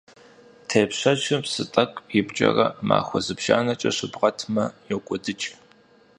Тепщэчым псы тӀэкӀу ипкӀэрэ махуэ зыбжанэкӀэ щыбгъэтмэ, йокӀуэдыкӀ.